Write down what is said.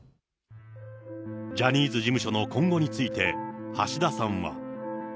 ジャニーズ事務所の今後について、橋田さんは。